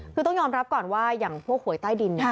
คือต้องยอมรับก่อนว่าอย่างพวกหวยใต้ดิน